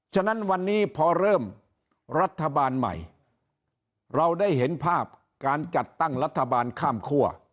ฉะนั้นวันนี้พอเริ่มรัฐบาลใหม่เราได้เห็นภาพการจัดตั้งรัฐบาลข้ามคั่ว